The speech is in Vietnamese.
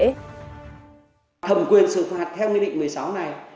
thẩm quyền xử phạt theo nghị định một mươi sáu này